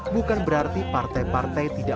bukan berarti partai partai tidak